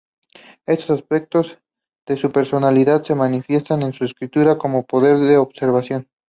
Estos aspectos de su personalidad se manifiestan en su escritura como poder de observación.